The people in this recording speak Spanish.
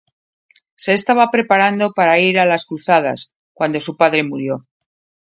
Se estaba preparando para ir a las cruzadas, cuando su padre murió.